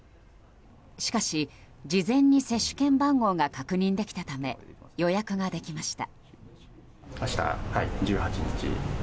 しかし、事前に接種券番号が確認できたため予約ができました。